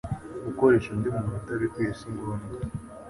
gukoresha undi umuntu utabikwiye singombwa